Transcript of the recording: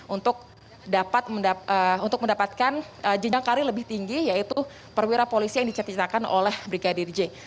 untuk mendapatkan jendang karir lebih tinggi yaitu perwira polisi yang dicatatkan oleh brigadir jaya